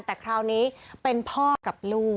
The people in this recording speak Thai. แต่คราวนี้เป็นพ่อกับลูก